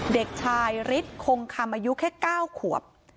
เด็กชายฤทธิ์คงคำอายุแค่๙ขวบ